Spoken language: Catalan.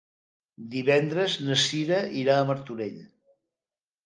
Divendres na Cira irà a Martorell.